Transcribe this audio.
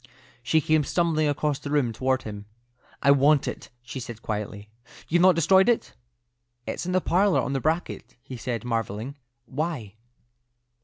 She came stumbling across the room toward him. "I want it," she said, quietly. "You've not destroyed it?" "It's in the parlour, on the bracket," he replied, marvelling. "Why?"